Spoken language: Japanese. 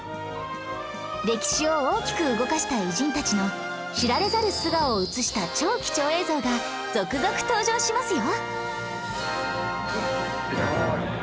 歴史を大きく動かした偉人たちの知られざる素顔を映した超貴重映像が続々登場しますよ